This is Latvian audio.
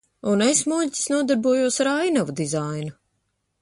Un es, muļķis, nodarbojos ar ainavu dizainu.